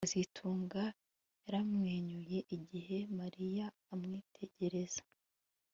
kazitunga yaramwenyuye igihe Mariya amwitegereza